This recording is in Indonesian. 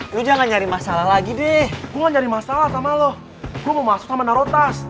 lu jangan nyari masalah lagi deh gue gak nyari masalah sama lo gue mau masuk sama narotas